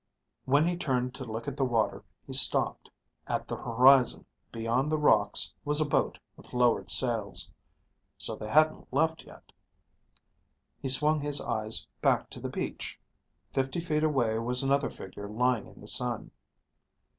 When he turned to look at the water, he stopped. At the horizon, beyond the rocks, was a boat with lowered sails. So they hadn't left yet. He swung his eyes back to the beach: fifty feet away was another figure lying in the sun.